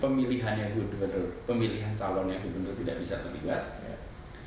pemilihan yang gubernur pemilihan calon yang gubernur tidak bisa terlihat